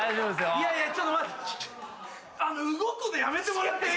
いやいやちょっと待って。